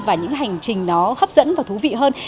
và những hành trình nó hấp dẫn và thú vị hơn